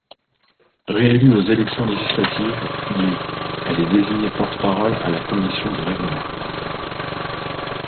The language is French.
Réélue aux élections législatives du, elle est désignée porte-parole à la commission du Règlement.